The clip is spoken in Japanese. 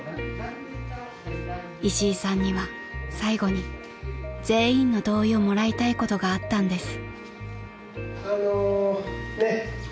［石井さんには最後に全員の同意をもらいたいことがあったんです］